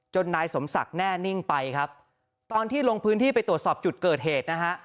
นายสมศักดิ์แน่นิ่งไปครับตอนที่ลงพื้นที่ไปตรวจสอบจุดเกิดเหตุนะฮะ